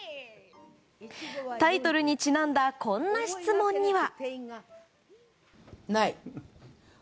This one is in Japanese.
タイトルにちなんだこんな質問には。